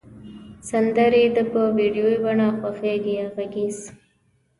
سندری د په ویډیو بڼه خوښیږی یا غږیز